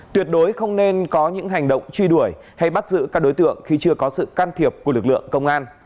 tuyệt đối không nên có những hành động truy đuổi hay bắt giữ các đối tượng khi chưa có sự can thiệp của lực lượng công an